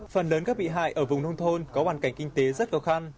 phần lớn các bị hại ở vùng nông thôn có hoàn cảnh kinh tế rất khó khăn